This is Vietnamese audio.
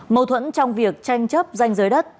mâu thuẫn trong việc tranh chấp danh giới đất